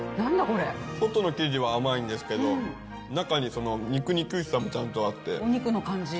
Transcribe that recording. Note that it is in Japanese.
これ外の生地は甘いんですけど中ににくにくしさもちゃんとあってお肉の感じ